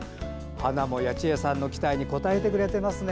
花も八千恵さんの期待に応えてくれてますね。